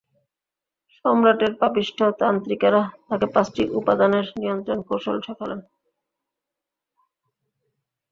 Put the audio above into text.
সম্রাটের পাপিষ্ঠ তান্ত্রিকেরা তাকে পাঁচটি উপাদানের নিয়ন্ত্রণ কৌশল শেখালেন!